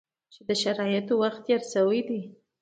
چې د شرایطو وخت تېر شوی دی.